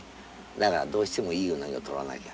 だからどうしてもいいウナギを取らなきゃ。